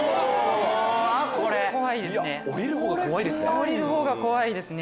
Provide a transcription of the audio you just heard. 下りるほうが怖いですね？